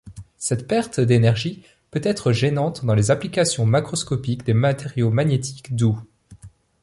Cette perte d'énergie peut être gênante dans les applications macroscopiques des matériaux magnétiques doux.